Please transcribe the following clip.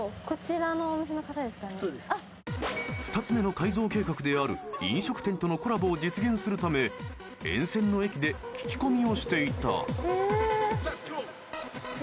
［２つ目の改造計画である飲食店とのコラボを実現するため沿線の駅で聞き込みをしていた］